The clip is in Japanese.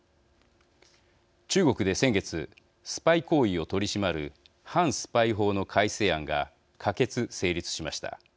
中国で先月スパイ行為を取り締まる反スパイ法の改正案が可決、成立しました。